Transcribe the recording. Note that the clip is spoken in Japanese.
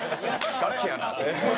ガチやな。